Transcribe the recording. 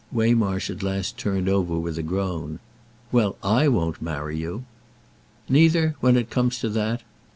Waymarsh at last turned over with a groan. "Well, I won't marry you!" "Neither, when it comes to that—!"